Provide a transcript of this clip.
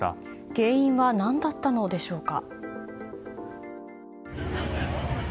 原因は何だったのでしょうか。